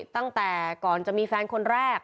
ตั้งแต่ก่อนจะมีแฟนคนแรก